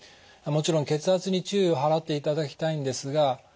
もちろん血圧に注意を払っていただきたいんですが